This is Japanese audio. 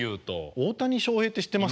大谷翔平って知ってます？